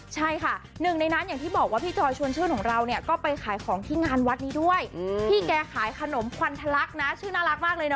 ใช่ค่ะหนึ่งในนั้นอย่างที่บอกว่าพี่จอยชวนชื่นของเราเนี่ยก็ไปขายของที่งานวัดนี้ด้วยพี่แกขายขนมควันทะลักนะชื่อน่ารักมากเลยนะ